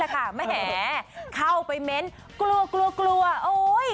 เข้าไปเม้นท์กลวยกลวยกลวย